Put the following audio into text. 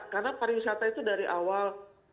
karena pariwisata itu dari awal